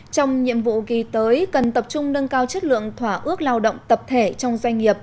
trong nhiệm vụ ghi tới cần tập trung nâng cao chất lượng thỏa ước lao động tập thể trong doanh nghiệp